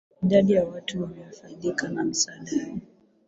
idadi ya watu wanaofaidika na misaada yao